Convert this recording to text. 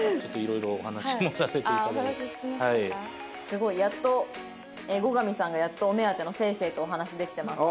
すごい。やっと後上さんがやっとお目当てのせいせいとお話しできてます。